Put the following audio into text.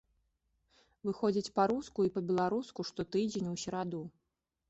Выходзіць па-руску і па-беларуску штотыдзень у сераду.